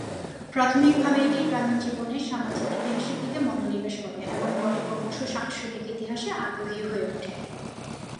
প্রাথমিকভাবে এটি গ্রামীণ জীবনের সামাজিক ইতিহাসের দিকে মনোনিবেশ করে এবং পরে ক্রমশ সাংস্কৃতিক ইতিহাসে আগ্রহী হয়ে ওঠে।